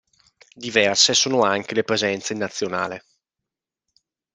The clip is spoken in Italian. Diverse sono anche le presenze in nazionale.